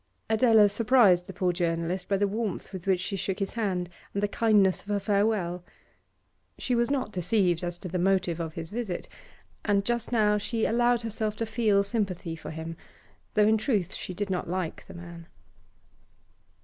Adela surprised the poor journalist by the warmth with which she shook his hand, and the kindness of her farewell. She was not deceived as to the motive of his visit, and just now she allowed herself to feel sympathy for him, though in truth she did not like the man.